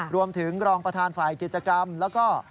รองประธานฝ่ายกิจกรรมแล้วก็